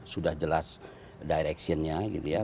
sudah jelas directionnya gitu ya